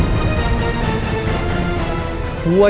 jangan kebanyakan teori